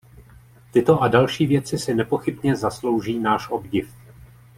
Tyto a další věci si nepochybně zaslouží náš obdiv.